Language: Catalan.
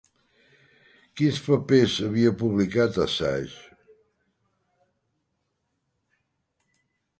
Quins papers havia publicat Assange?